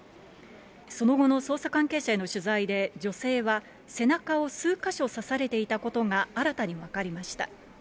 その後の捜査関係への取材で、女性は背中を数か所刺されていたことが新たに分かりました。